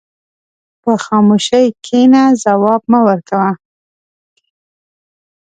په خاموشۍ کښېنه، ځواب مه ورکوه.